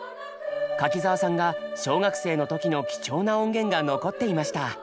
柿澤さんが小学生の時の貴重な音源が残っていました。